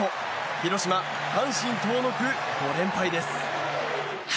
広島、阪神遠のく５連敗です。